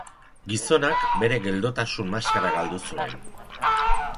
Gizonak bere geldotasun maskara galdu zuen.